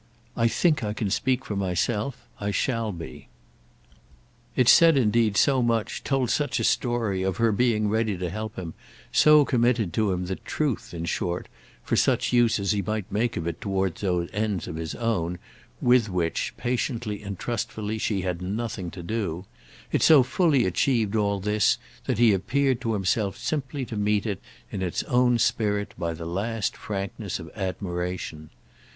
"I think I can speak for myself. I shall be." It said indeed so much, told such a story of her being ready to help him, so committed to him that truth, in short, for such use as he might make of it toward those ends of his own with which, patiently and trustfully, she had nothing to do—it so fully achieved all this that he appeared to himself simply to meet it in its own spirit by the last frankness of admiration.